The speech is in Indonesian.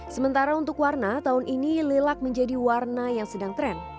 sementara untuk warna tahun ini lelak menjadi warna yang sedang tren